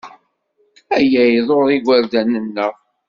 Aya iḍurr igerdan-nneɣ.